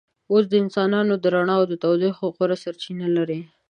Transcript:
اوس انسانان د رڼا او تودوخې غوره سرچینه لري.